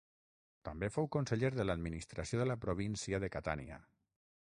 També fou conseller de l'administració de la província de Catània.